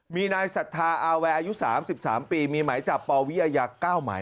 มีนายสัทธาอาวัยอายุ๓๓ปีมีหมายจับปอวิยา๙หมาย